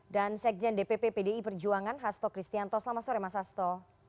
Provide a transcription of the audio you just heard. dan sekjen dpp pdi perjuangan hasto kristianto selamat sore mas hasto